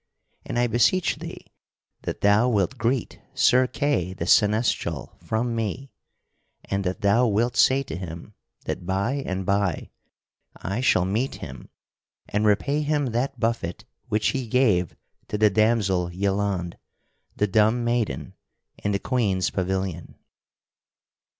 And I beseech thee that thou wilt greet Sir Kay the Seneschal, from me, and that thou wilt say to him that by and by I shall meet him and repay him that buffet which he gave to the damsel Yelande, the Dumb Maiden, in the Queen's pavilion."